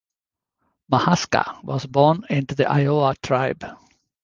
Mahaska was born into the Iowa tribe.